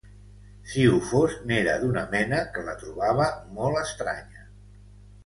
Si ho fos n'era d'una mena que la trobava molt estranya